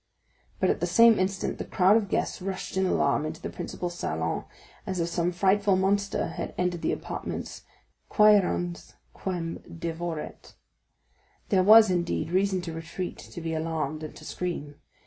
But at the same instant the crowd of guests rushed in alarm into the principal salon as if some frightful monster had entered the apartments, quærens quem devoret. There was, indeed, reason to retreat, to be alarmed, and to scream.